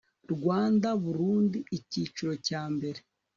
rwanda burundi icyiciro cya mbere